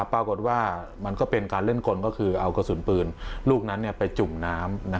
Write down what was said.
ปรากฏว่ามันก็เป็นการเล่นกลก็คือเอากระสุนปืนลูกนั้นไปจุ่มน้ำ